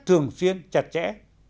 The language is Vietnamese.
thường xuyên chặt chẽ